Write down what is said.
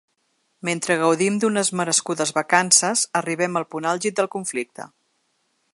Mentre gaudim d’unes merescudes vacances, arribem al punt àlgid del conflicte.